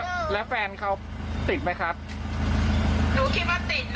ต้องไปขายพวกผ้าผิดสางพวกน้ำยายอย่างนี้